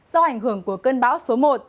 do ảnh hưởng của cơn bão số một